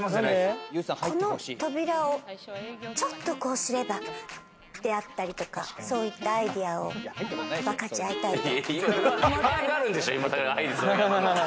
この扉をちょっとこうすればであったりとか、そういったアイデアを分かち合いたいと。